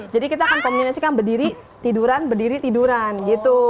jadi kita akan kombinasikan berdiri tiduran berdiri tiduran gitu